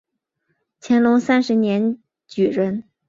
乾隆三十九年举人。